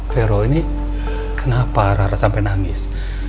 vero ini kenapa rara sampai nangis